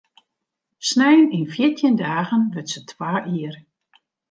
Snein yn fjirtjin dagen wurdt se twa jier.